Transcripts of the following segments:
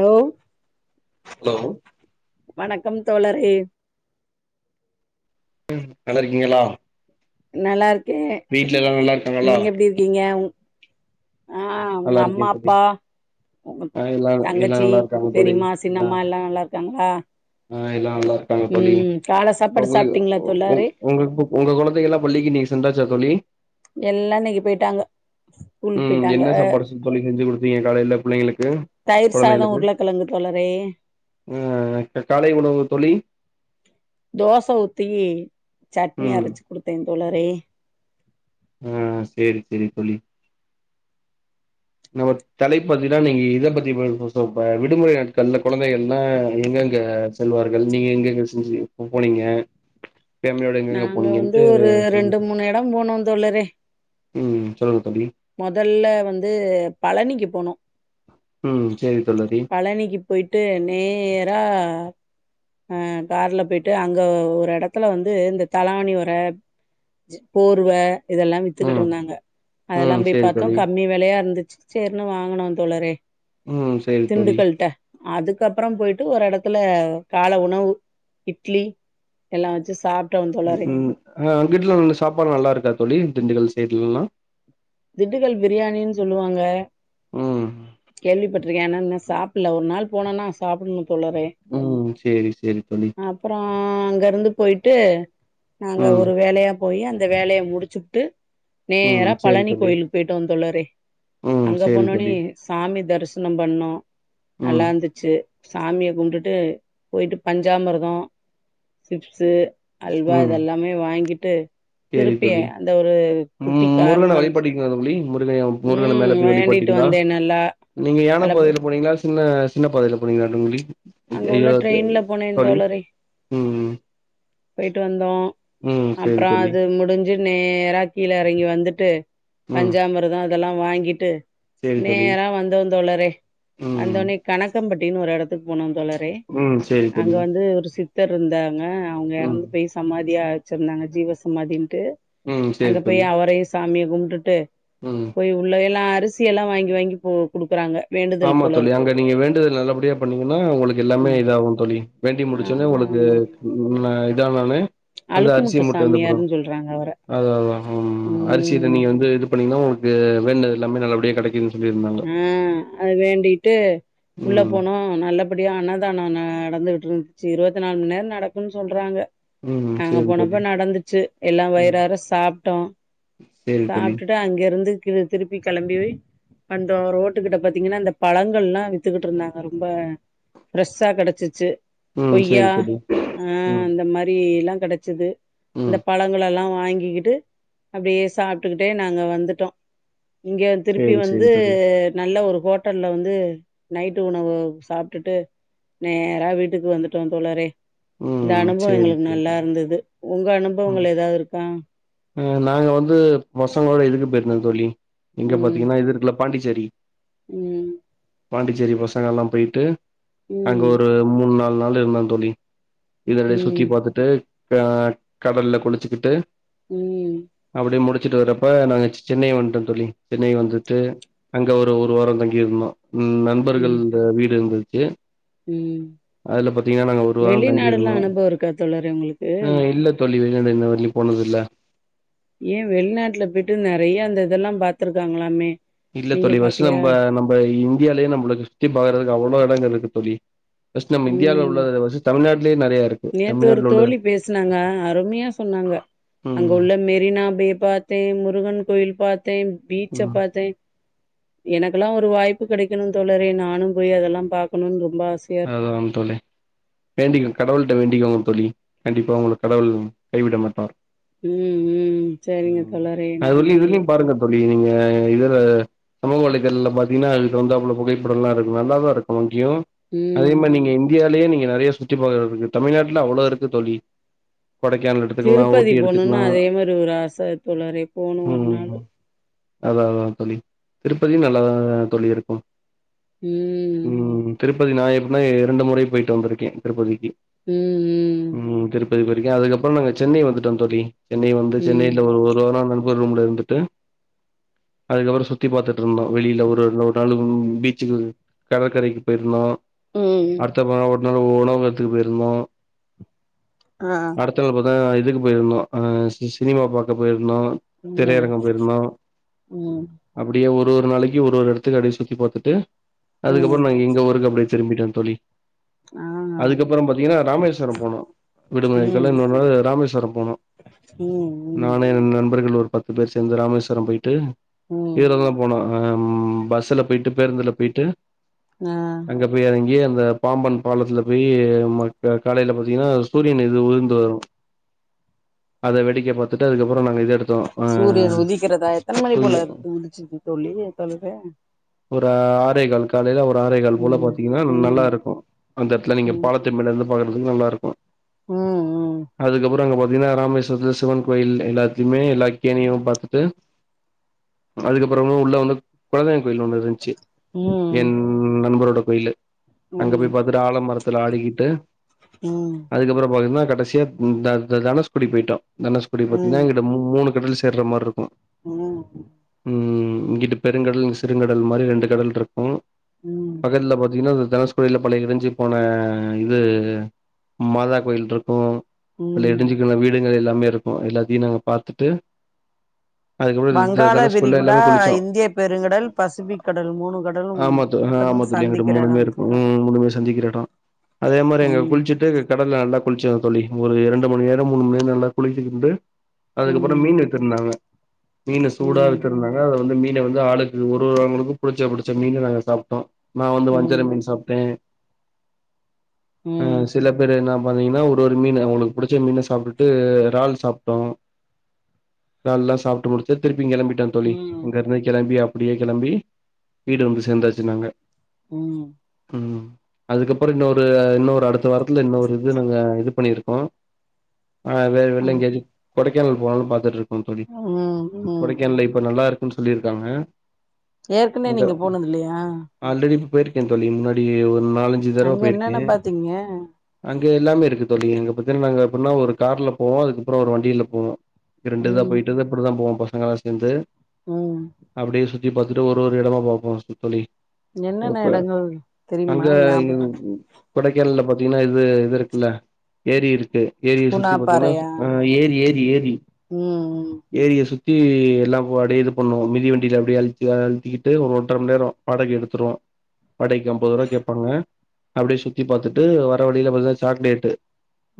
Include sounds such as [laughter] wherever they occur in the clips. Hello hello வணக்கம் தோழரே ம் நல்லா இருக்கீங்களா நல்லா இருக் வீட்ல எல்லாம் நல்லா இருக்காங்களா ஆஹ் உங்க நல்லா இருக்கே அம்மா தோழி அப்பா உங்க ஆ எல்லா எல்லா தங்கச்சி நல்லா இருக்காங்க தோழி பெரியம்மா சின்னம்மா எல்லா நல்லா இருக் க்காங்களா ஆஹ் எல்லா நல்லா இருக்காங்க தோழி கால சாப்பாடு ஒங்க சாப்ட்டீங்களா உ தோழரே ஒங்க ஒங்க கொழந்தைங்கல்லா பள்ளிக்கு இன்னிக்கு சென்றாச்சா தோழி எல்லா இன்னைக்கு போயிட்டாங்க ஸ்கூலுக்கு உம் போயிட்டாங்க என்ன சாப்பாடு சொ தோழி செஞ்சு கொடுத்தீங்க காலைல புள்ளைங்களுக்கு தயிர் சாதோ கொழந்தைகளுக்கு உருளைக்கிழங்கு தோழரே அ க காலை உணவு தோழி தோச ஊத்தி சட்னி ம் அரைச்சு குடுத்தேன் தோழரே ஆ சேரி சேரி தோழி நம்ம தலைப்பத்திதா நீங்க இதபத்திப்ப விடுமுறை நாட்கள்ல குழந்தைகள்லாம் எங்கங்க செல்வார்கள் நீங்க எங்கங்க செஞ்சி ஆ போனீங்க ஃபேமிலியோட எங்கெங்க நாங்க வந்து போனீங்கன்ட்டு ஒரு ரெண்டு மூணு எடம் போனோம் தோழரே உம் சொல்லுங்க தோழி மொதல்ல வந்து பழனிக்கு போ போனோ ம் சேரி தோழரி பழனிக்கு போய்ட்டு நேயர் ஆ ஆஹ் கார்ல போய்ட்டு அங்க ஒரு எடத்துல வந்து இந்த தலவாணி உர போர்வ இதெல்லா வித்துக்கிட்டு ம் இருந்தாங்க அதெல்லா ம் போய் சேரி பாத்தோ தோழி கம்மி விலயா இருந்துச்சு சேர்னு வாங்னோ தோழரே உம் செரி தோழி அதுக்கப்றோ போயிட்டு ஒரு எடத்துல கால உணவு இட்லி எல்லா வச்சு சாப்ப உம் அங்கீட்டுலா நல்ல சாப்பாட்லா நல்லா இருக்கா தோழி திண்டுக்கல் சைட்லலா திண்டுக்கல் பிரியாணின்னு சொல்லுவாங்க உம் கேள்விப்பட்டிருக்கே ஆனா இன்னு சாப்பிடல ஒரு நாள் போனனா சாப்டுவே தோழரே ம் சேரி சேரி தோழி அப்றோ அங்கருந்து போய்ட் ட்டு நாங்க ம் ஒரு வேலயா போய் அந்த வேலய முடிச்சுட்டு ம் நேரா சேரி பழனி தோழி கோயிலுக்கு போய்ட்டோ தோழறே ம் அங்க சேரி போனோனே தோழி சாமி தரிசனோ பண்ணோ ம் நல்லாருந்துச்சு சாமிய கும்பிட்டுட்டு போயிட்டு பஞ்சாமிர்தோ சிப்ஸு அல்வா ம் இதெல்லாமே வாங்கிட்டு சேரி திருப்பியே தோழி அந்த ஒரு குட்டி ம் கார் முருகன மாரி இருந்துச்சு வழிபட்டீங்களா தோழி முருக முருகன மேல போய் வழிபட்டீங்களா வந்தே நல்லா நீங்க யான நல்லா போ- பகுதில போனீங்களா சின்ன சின்ன பாதைல போனீங்களா தோழி அங்க உள்ள [unintelligible] ட்ரெயின்ல போனேன் தோழி தோழரே உம் போயிட்டு வந்தோ அப்றோ அது முடிஞ் நேரா கீழ இறங்கி வந்துட்டு ம் பஞ்சாமிர்தோ அதெல்லா வாங்கிட்டு சேரி தோழி நேரா வந்தோ தோழறே ம் வந்தோனே கணகம்ப்பட் அப்டின்னு ஒரு எடத்துக்கு போனோ தோழ ரே ம் சேரி தோழி அங்க வந்து ஒரு சித் தர் இருந்தா ங்க அவுங்க ம் எறந்து போய் சமாதியா வச்சிருந்தாங்க ஜீவசமாதி ட்டு ம் சேரி அங்க போய் தோழி அவரையும் சாமிய கும்ட்டுட்டு ம் போய் உள்ள எல்லா அரிசி எல்லா வாங்கி வாங்கி போ குடுக்குறாங்க வேண்டுதல் ஆமா போல தோழி இருக்கு. அங்க நீங்க வேண்டுதல் நல்லபடியா பண்ணீங்கன்னா உங்களுக்கு எல்லாமே ம் இதாகு தோழி வேண்டி முடிச்சோடனே ஆமா உங்களுக்கு ஆமா ந இதா [unintelligible] அந்த அழுக்கு அரிசி மூட்ட வந்தப்றோ சாமியார்ன்னு சொல்றாங்க அவர. அதா அதா உம் அரிசியித ம் நீங்க வந்து இது பண்ணீங்கன்னா உங்க ளுக்கு வேண்டுனது எல்லாமே நல்லபடிய கிடைக்கு உம் வேண்டிட்டு உள்ள ம் போனோ நல்லபடியா அன்ன தானோ ந நடந்துகிட்டு இருந்துச்சு இருவத் நாலு மண் நேரோ நடக்குன் சொல்றாங்க ம் நாங்க சேரி தோழி போனப்ப நடந்துச்சு எல்லா ம் வயிறாற சாப்பிட்டோ சேரி தோழி சாப்ட்டுட்டு அங்கிருந்து கி திருப்பி கிளம்பி போய் வந்தோ ரோட்டுக்கிட்ட பாத்தீங்கன்னா இந்த பழங்கள்லா வித்துக்கிட்டு இருந்தாங்க ரொம்ப ஃப்ரெஷ்ஷா கிடச்சிச்சு ம் சேரி கொய்யா தோழி ஆஹ் ம் அந்த மாரி எல்லா கிடச்சது ம் இந்த பழங்கள் எல்லா வாங்கிக்கிட்டு அப்படியே சாப்பிட்டுக்கிட்டே நாங்க வந்துட்டோ இங்க திருப்பி சேரி வந் சேரி து தோழி நல்ல ஒரு ஹோட் டல்ல வந்து நைட்டு உணவு சாப்பிட்டுட்டு நேரா வீட்டுக்கு வந்துட்டோ தோழரே இந்த ம் அனுபவ சேரி எங்களுக்கு சேரி நல்லா தோழி இருந்தது உங்க ம் அனுபவங்கள் ஏதாது இருக்கா அ நாங்க வந்து பசங்களோட இதுக்கு போயிருந்தோ தோழி இங்க பாத்தீங்கன்னா இது இருக்குல பாண்டி சேரி உம் பாண்டிச்சேரி பசங்க எல்லா போயிட்டு அங்க ம் ஒரு மூண் நால் நாள் இருந்த தோழி [unintelligible] சுத்தி ம் பாத்துட்டு ஆ கடல்ல குளிச்சுக்கிட்டு ம் அப்டியே முடி ச்சிட்டு வர்றப்ப நாங்க சி சென்னை வந்டோ தோழி சென்னை வந்துட்டு அங்க ஒரு ஒரு வாரோ தங்கியிருந்தோ உம் ம் நண்பர்கள்ட வீடு இருந்து ச்சி ம் அதுல பாத்தீங்கன்னா நாங்க ஒரு வாரம் தங் நல்லா அனுபவம் இருக்கா தோழரே உங்களுக்கு இன்னவரையிலு ஏன் வெளிநாட்ல போயிட்டு ந நறைய அந்த இதெல்லா பாத்துருக்காங்களாமே இல்ல நீங்க தோழி ஃபஸ்ட்டு பாக்கலையா? நம்ப நம்ப இந்தியாலேயே நம்மளுக்கு சுத்தி பாக்கறதுக்கு அவ்ளோ இடங்கள் இருக்கு தோழி ஃபஸ்ட் நம்ம இந்தியாவுல ம். உள்ளதுல ஃபஸ்ட்டு தமிழ்நாட்லே நறைய இருக்கு நேத்து ஒரு தமிழ்நாட்ல உள்ள தோழி பேசுனாங்க அருமையா சொன்னாங்க அங்க ம் உள்ள மெரினா நா போய் பாத்தேன் முருகன் கோயில் பாத் தேன் பீச்ச ம் பாத்தேன் எனக்குல்லாம் ஒரு வாய்ப்பு கெடைணும் தோழரே நானும் போய் அதெல்லாம் பாக்கணும்னு ரொம்ப ஆசையா இருக்கு. அதலா வரு தோழி வேண்டிக்கிற கடவுள்ட்ட வேண்டி க்கோங்க தோழி கண்டிப்பா உங்கள கடவுள் கைவிடமாட்டார் உம் உம் சேரிங்க தோழரே நன்றி ஆ இதுல சமூக வலைதளல பாத்தீங்கன்னா அதுக்கு தகுந்தாபுல புகைப்படம்லாம் இருக்கும் நல்லாதா இருக்கும் அங்கியும் அதே ம். மாரி நீங்க இந்தியா லே நீங்க நறைய சுத்திப் பாகங்களுக்கு இருக்கு தமிழ்நாட்ல அவ்ளோ இருக்கு தோழி கொடைக்கானல் எடுத்துக்கலா திருப்பதி ஊட்டி போணுன்னு எடுத்துக்கலா அதே மாரி ஒரு ஆசத்தோழரே போணும் ஒரு நாளு ம் அதா அதா தோழி திருப்பதியும் நல்லாதா தோழி இருக்கும் ம். உம் திருப் திருப்பதி நா எப்டினா இரண்டு முறை போயிட்டு வந்துருக்கேன் திருப்பதிக்கு ம், உம் போயிருக்கே அதுக்கப்புறம் நாங்க சென்னை வந்துட்டோம் தோழி சென்னை வந்து ம், ம். சென்னையில ஒரு ஒரு வாரம் நண்பர் ரூம்ல இருந்துட்டு அதுக்கப்புறம் சுத்தி பாத்துட்டு இருந்தோம் வெளியில ஒரு நாலு பீச்சுக்கு கடற்கரைக்கு போயிருந்தோம் ம். அடுத்த பவ இன்னு உணவகத்துக்கு போயிருந்தோம் ஆ. அடுத்த நாள் பாத்தா இதுக்கு போயிருந்தோம் ஆ சி சினிமா பாக்க போயிருந் ருந்தோம் ம். திரையரங்கம் போயிருந்தோம் ம் அப்டியே ஒரு ஒரு ஒரு நாளைக்கு ஒரு ஒரு எடத்துக்கு அப்டியே சுத்தி பாத்துட்டு ம் அதுக்கப்புறோ நாங்க இங்க ஊருக்கு அப்டே திரும்பிட்டோ தோழி ஆ அதுக்கப்புறோ பார்த்தீங்கன்னா ராமேஸ்வர போனோ ம் விடுமுறைக்கெல்லா இன்னொரு நாளு ராமேஸ்வரம் போனோ ம் ம் நானு எ நண்பர்கள் ஒரு பத்து பேர் சேந்து ராமேஸ்வரம் போயிட்டு ம் இதுலதா போனோ ஆ ம் பஸ்ல போயிட்டு பேருந்துல போயிட்டு ஆ அங்க போய் எறங்கி அத பாம்பன் பாலத்துல போய் காலையிலா பதிங்கன்னா சூரியன் இது உந்து வரு அத வெடிக்க பாத்திட்டு அதுக்கப்புறோ நாங்க இது எடுத்தோ ஆ சூரிய உதிக்கரத எத்தன மணி போல சூரிய உதிச்சது தோழியே தோழரே ஒரு ஆறே கால் காலையில ஒரு ஆறே கால் போல ம் பாத்தீங்கனா நல்லா ம் இருக்கு அந்த எடத்துல நீங்க ம் பாலத்து மேலருந்து பாக்கறதுக்கு நல்லா இருக்கு ம் ம் அதுக்கப்புறோ அங்க பா பாத்திங்கனா ராமேஸ்வரத்தில சிவன் கோயில் எல்லாத்தையுமே எல்லா கேணியு பாத்துட்டு அதுக்கப்புறமே உள்ள வந்து கொழந்தை கோயில் ஒன்னு இருந்துச்சு ம் என் நண்பரோட கோயில் அங்க ம் போய் பாத்துட்டு ஆழ மரத்துல ஆடிக்கிட்டு ம் அதுக்கப்புறோ பாத்தீன்னா கடசியா த தனுஸ்கோடி போயிட்டோ தனுஸ்கோடி பாத்தீன்னா ம் இங்கிட்டு மூணு கடல் சேர மாரி இருக்கு ம் ம் இங்கிட்டு பெருங்கடல் சிறுங்கடல் மாரி ரெண்டு கடல் இருக்கு ம் பக்கத்துல பாத்தீங்கனா தனுஷ்கோடில பழைய இடிஞ்சு போன இது மாதா கோயில் இருக்கு பல ம் எடிஞ்சுக்கண வீடு இன்னு எல்லாமே இருக்கு எல்லாத்தையு நாங்க பாத்துட்டு அதுக்கப்புறோ த வங்காள தனுஷ்கோடில விகுடா எல்லாமே குளிச்சோ இந்திய பெருங்கடல் பசிபிக் கடல் மூணு கடலு கடல் இல்ல எங்கிட்ட சந்திக்கிற மூணுமே எடம் இருக்கு தோழரே ம் மூன்றுமே சந்திக்கிற எடோ அதே மாரி எங்க ம் குளிச்சிட்டு கடல ந நல்லா குளிச்சோ தோழி ஒரு இரண்டு மணி நேரம் மூணு மணி நேரம் நல்லா குளிச்சுக்கிட்டு அதுக்கப்புறோ ம் மீன் எடுதிருந்தாங்க மீன சூடா ம் வெச்சிருந்தாங்க அத வந்து மீ மீன வந்து ஆளுக்கு ஒருவங்களுக்கு புடிச்ச புடிச்ச மீன நாங்க சாப்ட்டோ நா வந்து ம் வஞ்சர மீன் சாப்ட்டே ஆ ம் சில பேரு என்ன பாத்திங்கனா ஒரொரு மீனு அவங்களுக்கு புடிச்ச மீன சாப்ட்டுட்டு எறால் சாப்ட்டோ எறால்லா சாப்ட்டு முடிச்சு திருப்பி கெளம்பிட்டோ தோழி ம் அங்கிருந்து கெளம்பி அப் டியே கெளம்பி வீடு வந்து சேந்தாச்சு நாங்க ம் ம் அதுக்கப்புற இன்னொரு இன்னொரு அடுத்த வாரத்துல இன்னொரு இது நாங்க இது பண்ணிரு அது ம் வெள்ளயங்களி கொடை கானல் போலானு பாத்துட்ருக் கோ தோழி ம் கொடைக்கானல்ல இப்ப நல்லாருக் குன் சொல்லிருக்காங்க ஏற்கனவே அங்க நீங்க போனதில்லையா ஆல்ரெடி ப்ப போயிருக்கே தோழி முன்னாடியே ஒரு நாலஞ்சு தடவ அங்க போயிருக்கே என்னென்ன பாத்தீங்க அங் க எல்லாமே இருக்கு தோழி எங்க பாத்தின நாங்க எப்பின்னா ஒரு கார்ல போவோ அதுக்கப்பற ஒரு வண்டில போவோ ரெண்டு இதா ம் போயிட்டுத இப்பிடிதா போவம்ப்பா நாங்களா சேந்து ம் தி பாத்துட்டு ஒரு ஒரு எடமா பாப்போ தோழி என்னென்ன க எடங்கள் அங்க தெரியுமா ஞாப கொடைக்கானல்ல பாத்திங்கனா இது இது இருக்குல்ல ஏரி இருக் கு ஏரிய குணா சுத்தி பாத்தன்னா பாறையா ஆ ஏரி ஏ ஏரி ம் ஏரிய சுத் தி எல்லா அடியே இது பண்ணுவோ மிதி வண்டில அப்டியே அழுத்தி ஆ அழுத்திகிட்டு ஒரு ஒன்ற மண் நேர வாடகை எடுத் துருவோ வாடகைக்கு அம்பதுருவா கேப்பாங்க அப்டியே சுத்தி பாத்துட்டு வர்ற வழியில பாத்தா சாக்லேட்டு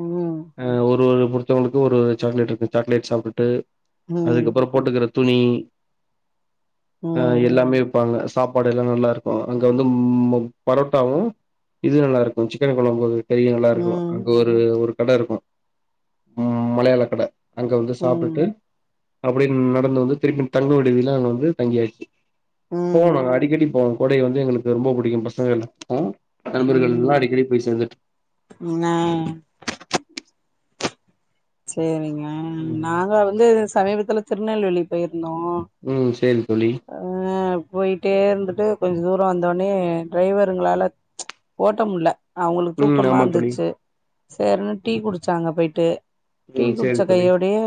ம் அ ஒரு ஒரு ஒருத்தவங்களுக்கு ஒரொரு சாக்லேட் இருக்கு சாக்லேட் சாப்புட்டு ம் அதுக்கப்பற போட்டுக்கற துணி ம் அ ம் எல்லாமே விப்பாங்க சாப்பாடு எல்லா நல்லாருக் கு அங்க வந்து ம் பரோட்டாவு இது நல்லாருக்கு சிக்கன் கொழம்பு பெரியே நல்லாருக்கு ம் அங்க ஒரு ஒரு கடெருக்கு மலயாள கடெ அங்க வந்து ம் சாப்பிட்டு அப்டின் நடந்து வந்து திருப்பின் தங்கவூடுநிலா அங்க வந்து தங்கியாயிச்சு ம் போணு அடிக்கடி போ கொடை வந்து எங்குளுக்கு ரொம்போ புடிக்கு பசங்கல்லெ நண்பர்கள்லா ம் அடிக்கடி போய் சேந்துட் ஆ சேரிங்க ம் நாங்க வந்தூ சமீபத்தில திர்நெல்வேலி பெயிர் உம் சேரி தோழி அஹ் போயிட்டேருந்துட்டு கொஞ் தூரோ வந்தொன்னே டிரைவருங்களாலத் ஓட்ட முல்லெ அவங்குளுக் ம் ஆமா தோழி தூக்கமாந்துச்சு சேரேன்னு டீ குடிச்சாங்கெ போயிட்டூ டீ ம் சேரி குடிச்ச தோழி கையோடையே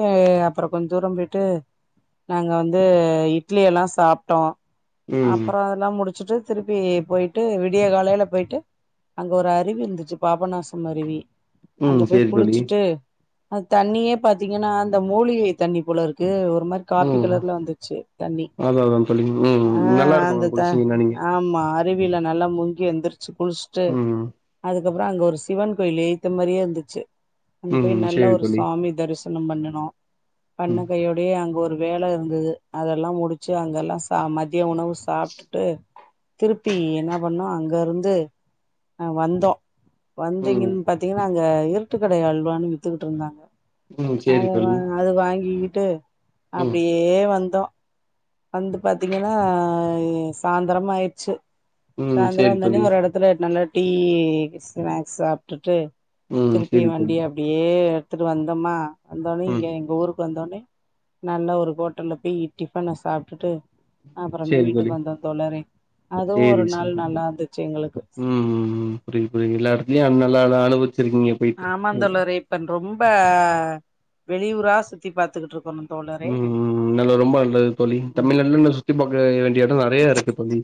அப்பறோ கொஞ் தூரோ விட் டு நாங்கெ வந்தூ இட் லி எல்லா சாப்ட்டோ ம் அப்பறோ அதலா முடிச்சிட்டு திருப்பீ போயிட்டு விட் விடியெ காலேலெ போயிட்டு அங்க ஒரு அருவிந்துச்சு பாபநாசம் அருவி அங்க ம் போய் சேரி தோழி குளிச்சிட்டு அத் தண்ணியே பாத்தீங்கனா அந்தெ மூலிகை தண்ணி போலருக்கூ ஒரு ஒர் மாரி காப்பி ம் கலர்லெ வந்துச்சு தண்ணி அதா அதா தண்ணிக்குல்லூ ஆ நல்லாருக்கு குளிஷிங்கினா நீங்கெ அருவிலெ நல்லா மூங்கி ஏந்து குளிஷ்ட்டு ம் அது கப்றோ அங்க ஒரு சிவன் கோயிலு ஏத்தெ மரியே ந்துச்சு அங்க போய் ம் நல்லா சேரி ஒரு தோழி சுவாமி தரீச் புனூம் பண்ணனூ பண்ணெ ம் கையோடையே அங்க ஒரு வேலேருந்தது அதெல்லாம் முடிச்சு அங்கெல்லாம் ச மதிய உணவு சாப்பிட்டுட்டு திருப்பி என்ன பண்ணோம் அங்க இருந்து அஹ் வந்தோம் ம் வந்தீங்கன்னு பாத்தீங்கன்னா அங்க இருட்டுக்கட அல்வானு வித்துக்கிட்டு இருந்தாங்க ம் சேரி அத வா தோழி அது வாங்கிக்கி ட்டு ம் அப்டியே வந்தோம் வந்து பாத்தீங்கன்னா ஆ சாய்ந்தரமாயிடுச்சு ம் சாய்ந்தர சேரி வந்தோன்னே தோழி ஒரு எடத்துல நல்ல டீ ஸ்நாக்ஸ் சாப்ட்டுட்டு ம் திருப்பியு செரி தோழி வண்டிய அப்டியே எடுத்துட்டு வந்தோமா இருந்தாலும் இங்க ம் எங்க ஊருக் வந்தோன்னே நல்லா ஒரு ஹோட்டல்ல போய் டிஃபன சாப்ட்டுட்டு அப்புறமே செரி வீட்டுக்கு தோழி வந்தோ தோழரே அதுவு சேரி ஒரு செரி நாள் தோழி நல்லா இருந்துச்சு எங்களுக்கு லியும் நல்லா நல்லா அனுபவிச் ச்சிருக்கீங்க போயிட்டு ம்ப வெளியூரா சுத்தி பார்த்துக்கிட்டு இருக்கோணும் ம் ம் நல்ல ரொம்ப நல்லதுங்க தோழி ம் தமிழ்நாட்ல சுத்தி பாக்க வேண்டிய எடம் நறைய இருக்கு தோழி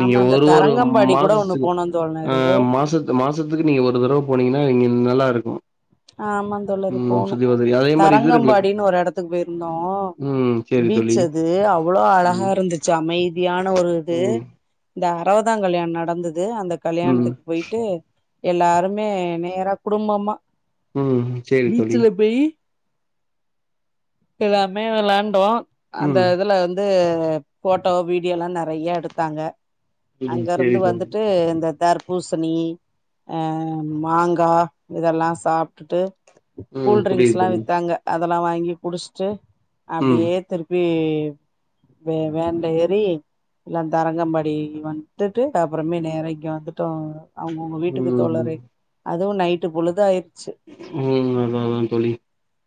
நீங்க அந்த ஒரு ஒரு தரங்கம்பாடி கூட ஒண்ணு மாசத்துக்கு போனோ ஆ தோழரே மாசத்து மாசத்துக்கு நீங்க ஒரு தடவை போனீங்கன்னா நல்லாருக்கும் ஆ ஆமா தோழரே போணும் அதே மாரி இது இருக்குல தரங்கம்பாடினு ஒரு எடத்துக்கு போயிருந்தோம் ஆ ம் சேரி பீச் தோழி அது அவ்வளோ அழகா ம் இருந்துச்சு அமைதியான ஒரு இது ம் இந்த அறவதா கல்யாண நடந்தது அந்த ம் கல்யாணத்துக்கு போயிட்டு எல்லாருமே நேரா குடும்பமா உம் சேரி தோழி எல்லாருமே வெளாண்டோம் அந்த ம் இதுல வந்து போட்டோ வீடியோல்லாம் நறைய எடுத்தாங்க அங்க ம் இருந்து சேரி தோழி வந்துட்டு இந்த தர் பூசணி ஆ மாங்கா இதெல்லா சாப் டுட்டு ம் புரியுது கூல்ட்ரிங்க்ஸ்லாம் தோழி வித்தாங்க அது அதல்லா வாங்கி குடிச்ட்டு ம் அப்டியே திருப்பி கு வே வேன்ல ஏறி எல்லா தரங்கம்பாடி வந்துட்டு அப்றமே நேரா இங்க வந்துட்டோ அவ்ங்க அவ்ங்க வீட்டுக்கு ம் தோழரே அதுவு நைட் ட்டு பொழுதாயிர்ச்சு உம் அதா அதா தோழி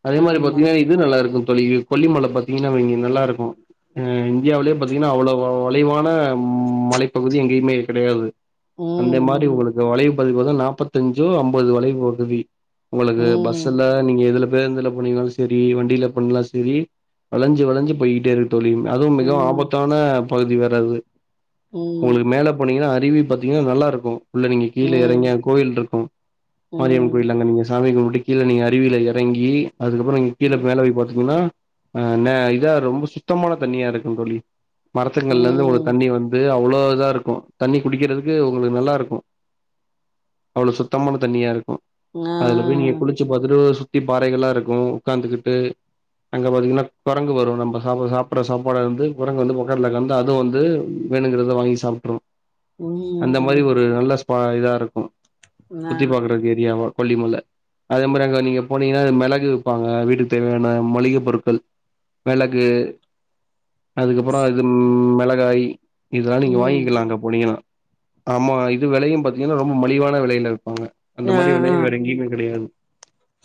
அதே மாரி ஆமா பாத்தீங்கனா இது நல்லா இருக்கு தோழி இங்க கொல்லிமல பாத்தீங்கனா இங்க நல்லா இருக்கு உம் இந்தியாவிலே பாத்தீங்கனா அவ்வளவு வளைவான உம் மலைப்பகுதி எங்கேயுமே கெடையாது அந்த மாரி ம் உங்களுக்கு வளைவு அதுபோக நாப்பத்தஞ்சோ ஐம்பது வலை உதவி உங்களுக்கு ம் பஸ்ல்ல நீங்க எதுல பேருந்துல போனீங்களாலு சரி வண்டியில போனிங்களா சரி வளஞ்சு வளஞ்சி போயிட்டேருக் தோழி அதுவும் மிக ம் ம் ஆபத்தான பகுதி வேற அது ம் உங்களுக்கு மேல போனிங்கனா அ டிவி பாத்தீங்கன்னா நல்லா இருக்கு உள்ள நீங்க கீழ ம் எறங்கி அங்க கோயில் இருக்கு மாரியம்மன் ம் கோயில் அங்க நீங்க முடிக்கில நீங்க அருவில எறங்கி அதுக்கப்புற நீங்க ம் கீழே ம் மேல போய் பாத்தீங்கன்னா ஆ ந இதா ரொம்ப சுத்தமான தண்ணியா இருக்குந் தோழி மரத்தங்கல்ல இருந்து உங்களுக்கு ம் தண்ணி வந்து அவ் அவ்வளோ இதா இருக்கு தண்ணி குடிக்கிறதுக்கு உங்களுக்கு நல்லா இருக்கு அவ்வளோ சுத்தமான தண்ணியாக இருக்கு ஆ அதுல போய் நீங்க குளிச்சு பாத்துட்டு ஒ ஸு சுத்தி பாறைகள்லா இருக்கு உக்காந்துகிட்டு அங்க பாத்திங்கனா கொரங்கு வரு நம்ப சாப்ப சாப்படற சாப்பாட வந்து கொரங்கு வந்து பக்கத்துல உக்காந்து அதுவு வந்து வேணுங்கறத வாங்கி சாப்ட்ரு ம் அந்த மாரி ம் ஒரு நல்லச் பாதிதா இருக்கு ஆ சுத்தி பாக்கறதுக்கு ஏரியாவு கொல்லிமல அதே மாரி அங்க நீங்க போனீங்கன்னா மெளகு விப்பாங்க வீட்டுக்கு தேவையான மள்ளிக பொருட்கள் மெளகு அதுக்கப்புறொ அது மிளகாய் இதால இங்க ம் வாங்கிக்கலா அங்க போனீங்கனா ஆமா இது வெலையு பாத்தீங்கனா ரொம்ப மலிவான வெலைல இரு ஆஹ் உம் கெடையாது